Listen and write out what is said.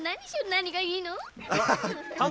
何がいいの？